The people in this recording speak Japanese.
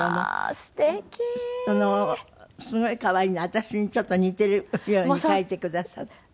私にちょっと似ているように描いてくださって。